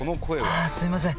あすいません